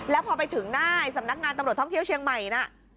แล้วพอไปถึงหน้าสำนักงานตำรวจท่องเที่ยวเชียงใหม่นะ